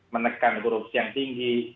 menekan kurus yang tinggi